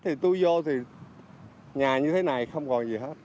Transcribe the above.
thì tôi vô thì nhà như thế này không còn gì hết